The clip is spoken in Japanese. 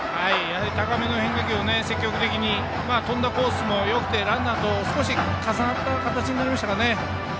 高めの変化球を積極的に飛んだコースもよくてランナーと重なった形となりましたかね。